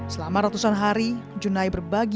selama ratusan hari junai berbagi